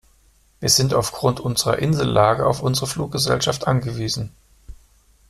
Wir sind aufgrund unserer Insellage auf unsere Fluggesellschaft angewiesen.